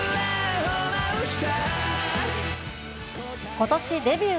ことしデビュー